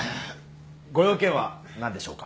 ご用件は何でしょうか？